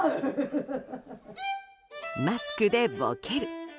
マスクでボケる。